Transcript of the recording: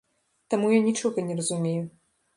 Таму я нічога не разумею.